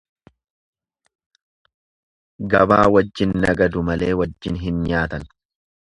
Gabaa wajjin nagadu malee wajjin hin nyaatan.